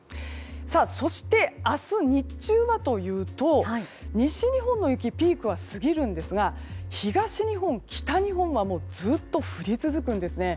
そして、明日日中はというと西日本の雪ピークは過ぎるんですが東日本、北日本はもう、ずっと降り続くんですね。